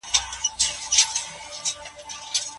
هغه څېړونکی چي پوهه لري بریا ترلاسه کوي.